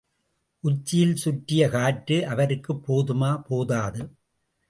உச்சியில் சுற்றிய காற்று அவருக்குப் போதுமா... போதாது.